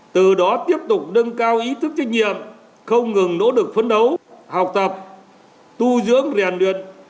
từ đó tiếp tục nâng cao ý thức trách nhiệm không ngừng nỗ lực phấn đấu học tập tu dưỡng rèn luyện